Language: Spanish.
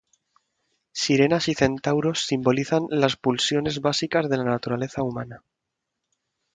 Sirenas y centauros simbolizan las pulsiones básicas de la naturaleza humana.